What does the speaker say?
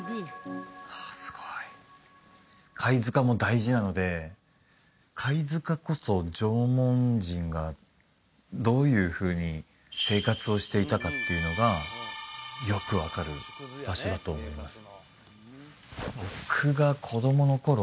すごい貝塚も大事なので貝塚こそ縄文人がどういうふうに生活をしていたかっていうのがよく分かる場所だと思います